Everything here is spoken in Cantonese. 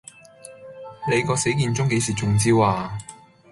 你個死健忠幾時中招呀